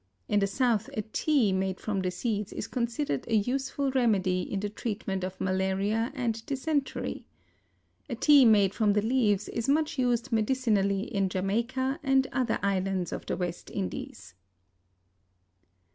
In the South a tea made from the seeds is considered a useful remedy in the treatment of malaria and dysentery. A tea made from the leaves is much used medicinally in Jamaica and other islands of the West Indies.